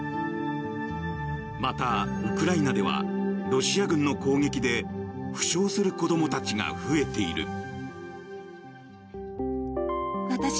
またウクライナではロシア軍の攻撃で負傷する子供たちが増えている。